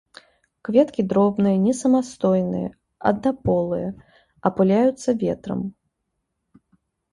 Кветкі дробныя, несамастойныя, аднаполыя, апыляюцца ветрам.